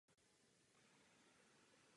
V Evropě žádný zástupce neroste.